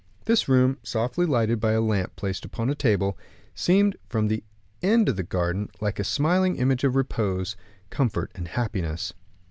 This room, softly lighted by a lamp placed on the table, seemed, from the end of the garden, like a smiling image of repose, comfort, and happiness.